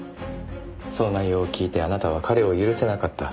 その内容を聞いてあなたは彼を許せなかった。